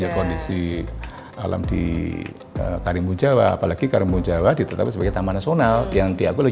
kondisi alam di karimun jawa apalagi karimun jawa ditetapkan sebagai taman nasional yang diakui